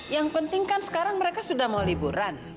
yang penting kan sekarang mereka sudah mau liburan